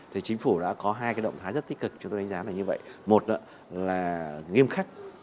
thì chính phủ đã có hai cái động thái rất tích cực chúng tôi đánh giá là như vậy một là nghiêm khắc